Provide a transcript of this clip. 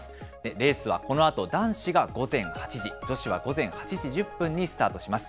レースはこのあと、男子が午前８時、女子は午前８時１０分にスタートします。